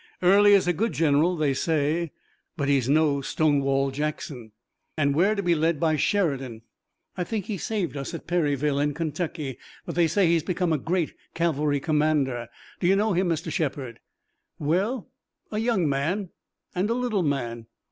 Early is a good general, they say, but he's no Stonewall Jackson." "And we're to be led by Sheridan. I think he saved us at Perryville in Kentucky, but they say he's become a great cavalry commander. Do you know him, Mr. Shepard?" "Well. A young man, and a little man.